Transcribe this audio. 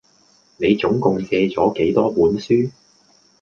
你總共借咗幾多本書？